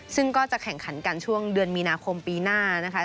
ซึ่งก็จะแข่งขันกันช่วงเดือนมีนาคมปีหน้านะคะ